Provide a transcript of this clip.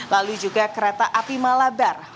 lalu juga kereta api malabar